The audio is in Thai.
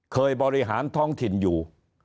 เคยบริหารท้องถิ่นอยู่